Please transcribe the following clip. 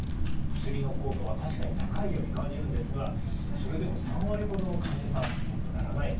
薬の効果は確かに高いように感じるんですがそれでも３割ほどの患者さんよくならないということでしたね。